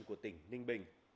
của tỉnh ninh bình